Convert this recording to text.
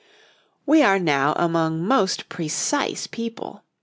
] We are now among most precise people.